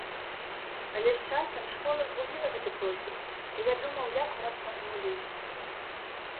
Але з часам школа згубіла гэты профіль, і я думаў, як моцна памыліўся.